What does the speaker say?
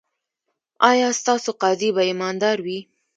ایا ستاسو قاضي به ایماندار وي؟